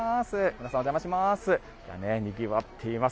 皆さん、お邪魔します。